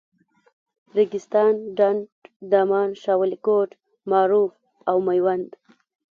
ریګستان، ډنډ، دامان، شاولیکوټ، معروف او میوند.